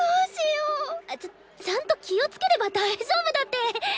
ちゃちゃんと気を付ければ大丈夫だって。